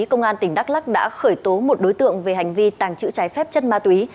công an tỉnh đắk lắc đã khởi tố một đối tượng về hành vi tàng trữ trái phép chất ma túy